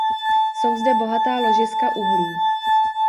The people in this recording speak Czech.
Jsou zde bohatá ložiska uhlí.